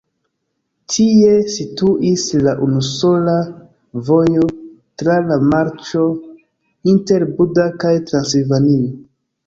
Tie situis la unusola vojo tra la marĉo inter Buda kaj Transilvanio.